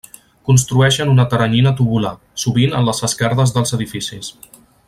Construeixen una teranyina tubular, sovint en les esquerdes dels edificis.